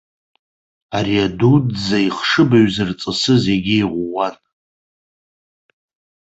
Ари адуӡӡа ихшыбаҩ зырҵысыз егьа иӷәӷәан.